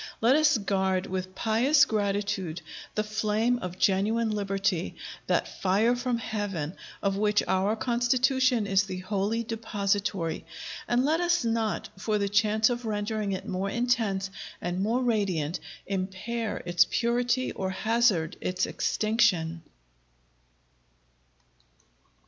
Let us guard with pious gratitude the flame of genuine liberty, that fire from heaven, of which our Constitution is the holy depository; and let us not, for the chance of rendering it more intense and more radiant, impair its purity or hazard its extinction!